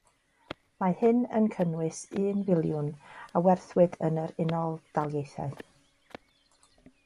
Mae hyn yn cynnwys un filiwn a werthwyd yn yr Unol Daleithiau.